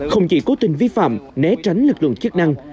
không chỉ cố tình vi phạm né tránh lực lượng chức năng